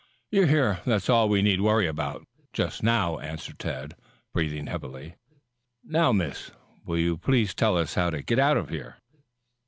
"You're here, that's all we need worry about just now," answered Tad, breathing heavily. "Now, Miss, will you please tell us how to get out of here?"